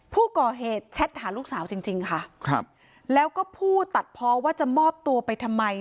ผู้ก่อเหตุแชทหาลูกสาวจริงจริงค่ะครับแล้วก็พูดตัดเพราะว่าจะมอบตัวไปทำไม